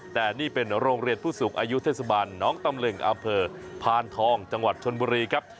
แต่นี่เป็นโรงเรียนผู้สูงอายุเทศบาลน้องตำลึงอำเภอพานทองจังหวัดชนบุรีครับ